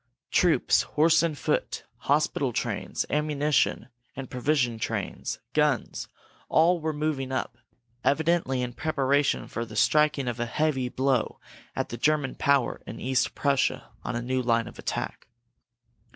Troops, horse and foot, hospital trains, ammunition and provision trains, guns all were moving up; evidently in preparation for the striking of a heavy blow at the German power in East Prussia on a new line of attack.